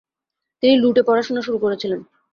তিনি লুটে পড়াশোনা শুরু করেছিলেন।